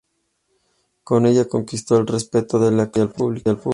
Con ellas conquistó el respeto de la crítica y el público.